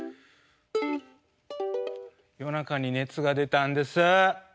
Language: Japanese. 夜中に熱が出たんです。